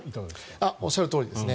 おっしゃるとおりです。